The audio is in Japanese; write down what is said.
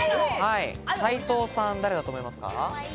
斉藤さん、誰だと思いますか？